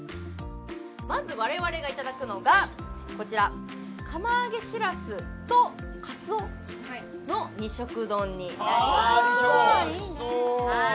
まず我々がいただくのがこちら釜揚げしらすとカツオの２色丼になります